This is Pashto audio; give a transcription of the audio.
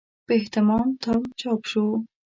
په اهتمام تام چاپ شو.